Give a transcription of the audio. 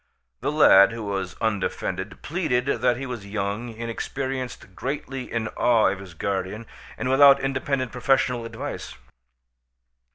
The lad, who was undefended, pleaded that he was young, inexperienced, greatly in awe of his guardian, and without independent professional advice.